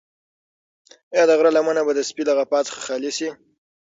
ایا د غره لمنه به د سپي له غپا څخه خالي شي؟